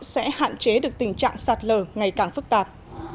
sẽ hạn chế được tình trạng sạt lở ngày càng phức tạp